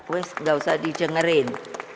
pak gak usah di jengerin